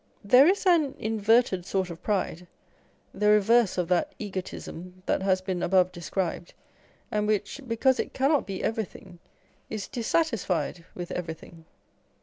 There is an inverted sort of pride, the reverse of that egotism that has been above described, and which, because it cannot be everything, is dissatisfied with everything.